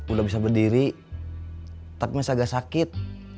udah bisa berdiri tapi masih agak sakit